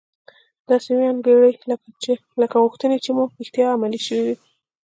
داسې و انګیرئ لکه غوښتنې چې مو رښتیا عملي شوې وي